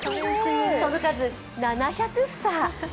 その数、７００房。